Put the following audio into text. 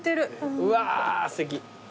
うわーすてき。